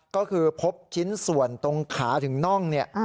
ก็คือพบชิ้นส่วนตรงขาถึงน่องเนี่ย